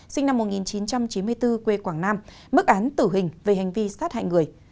sinh năm một nghìn chín trăm chín mươi bốn quê quảng nam mức án tử hình về hành vi sát hại người